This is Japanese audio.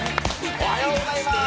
おはようございます。